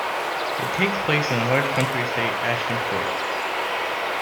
It takes place in a large country estate Ashton Court.